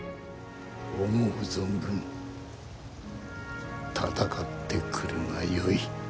思う存分戦ってくるがよい。